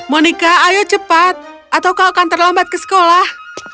monica ayo cepat atau kau akan terlambat ke sekolah